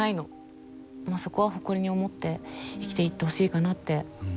まあそこは誇りに思って生きていってほしいかなって思う。